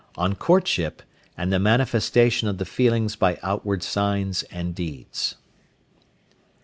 ON COURTSHIP, AND THE MANIFESTATION OF THE FEELINGS BY OUTWARD SIGNS AND DEEDS.